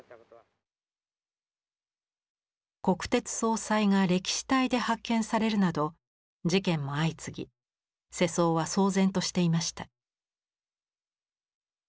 国鉄総裁が轢死体で発見されるなど事件も相次ぎ世相は騒然としていました。